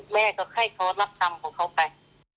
แม่แค่ให้เขารับตำค์ของเขาไป